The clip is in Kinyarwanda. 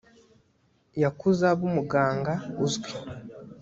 yakuze aba umuganga uzwi